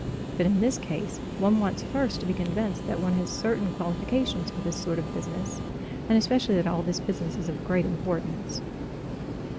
But in this case one wants first to be convinced that one has certain qualifications for this sort of business, and especially that all this business is of great importance."